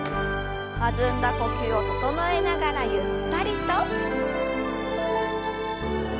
弾んだ呼吸を整えながらゆったりと。